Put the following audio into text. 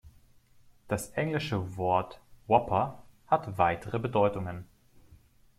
Das englische Wort "Whopper" hat weitere Bedeutungen.